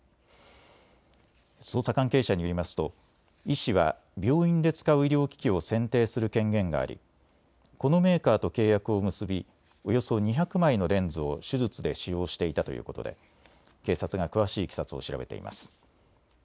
捜査関係者によりますと医師は病院で使う医療機器を選定する権限がありこのメーカーと契約を結びおよそ２００枚のレンズを手術で使用していたということで警察が詳しいいきさつを調べています。